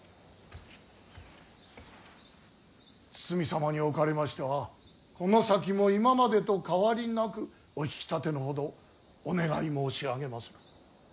堤様におかれましてはこの先も今までと変わりなくお引き立てのほどお願い申し上げまする。